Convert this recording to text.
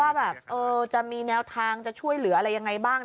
ว่าแบบจะมีแนวทางจะช่วยเหลืออะไรยังไงบ้าง